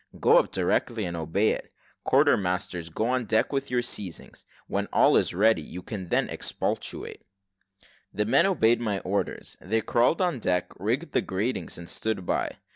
Go up directly, and obey it. Quartermasters, go on deck with your seizings. When all is ready, you can then expostulate." The men obeyed my orders: they crawled on deck, rigged the gratings, and stood by.